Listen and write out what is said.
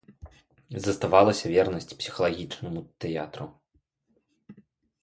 Заставалася вернасць псіхалагічнаму тэатру.